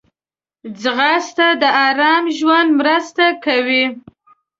ځغاسته د آرام ژوند مرسته کوي